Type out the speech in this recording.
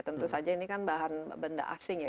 tentu saja ini kan bahan benda asing ya